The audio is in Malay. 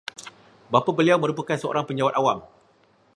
Bapa beliau merupakan seorang penjawat awam